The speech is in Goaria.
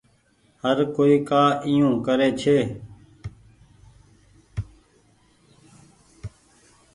هر ڪوئي ڪآ ايو ڪري ڇي۔